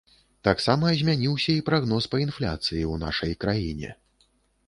Таксама змяніўся і прагноз па інфляцыі ў нашай краіне.